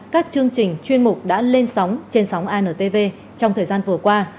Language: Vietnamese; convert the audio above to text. các chương trình chuyên mục đã lên sóng trên sóng intv trong thời gian vừa qua